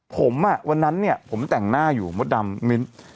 ผมวันนั้นผมแต่งหน้าอยู่มดดำนิด